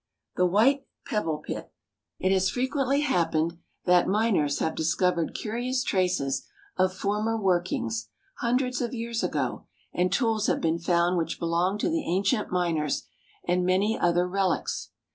=The White Pebble Pit.= It has frequently happened that miners have discovered curious traces of former workings, hundreds of years ago, and tools have been found which belonged to the ancient miners, and many other relics.